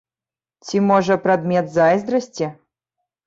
Ці, можа, прадмет зайздрасці?!